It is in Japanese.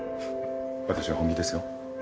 私は本気ですよ。